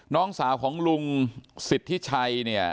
น้องสาวของลุงสิทธิชัยเนี่ย